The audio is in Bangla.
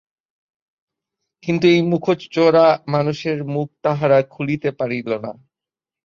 কিন্তু এই মুখচোরা মানুষের মুখ তাহারা খুলিতে পারিল না।